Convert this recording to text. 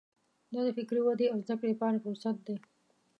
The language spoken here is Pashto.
دا د فکري ودې او زده کړې لپاره فرصت دی.